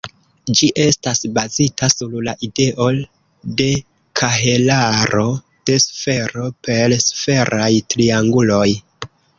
Ĝi estas bazita sur la ideo de kahelaro de sfero per sferaj trianguloj.